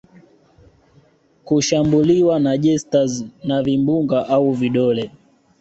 kushambuliwa na jesters na vimbunga au vidole